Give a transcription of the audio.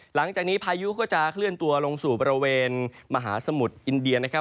หลังจากนี้พายุก็จะเคลื่อนตัวลงสู่บริเวณมหาสมุทรอินเดียนะครับ